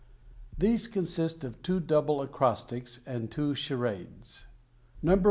[These consist of two Double Acrostics and two Charades. No. I.